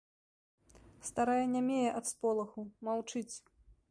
Старая нямее ад сполаху, маўчыць.